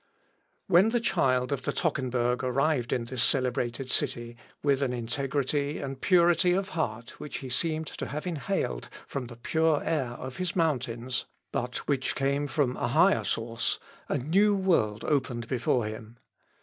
When the child of the Tockenburg arrived in this celebrated city, with an integrity and purity of heart which he seemed to have inhaled from the pure air of his mountains, but which came from a higher source, a new world opened before him.